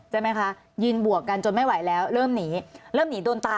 ผมวิ่งหกล้มมาเนี่ย